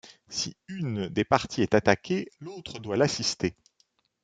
Si une des parties est attaquée l'autre doit l'assister.